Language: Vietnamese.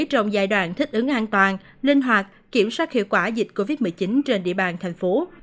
trong giai đoạn thích ứng an toàn linh hoạt kiểm soát hiệu quả dịch covid một mươi chín trên địa bàn thành phố